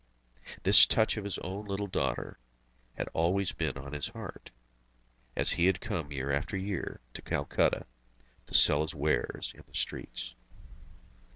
This touch of his own little daughter had been always on his heart, as he had come year after year to Calcutta, to sell his wares in the streets.